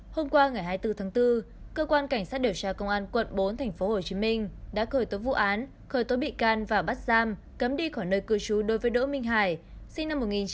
hôm qua ngày hai mươi bốn tháng bốn cơ quan cảnh sát điều tra công an quận bốn tp hcm đã khởi tố vụ án khởi tố bị can và bắt giam cấm đi khỏi nơi cư trú đối với đỗ minh hải sinh năm một nghìn chín trăm tám mươi